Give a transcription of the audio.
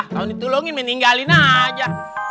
tau ditolongin meninggalin aja